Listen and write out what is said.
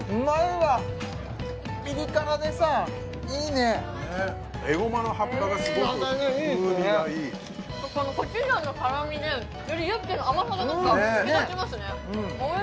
ピリ辛でさいいねエゴマの葉っぱがすごく風味がいいコチュジャンの辛みでよりユッケの甘さが引き立ちますねおい